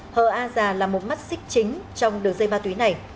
hờ a già là một mắt xích chính trong đường dây ma túy này